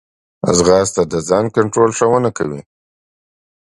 ځغاسته د ځان کنټرول ښوونه کوي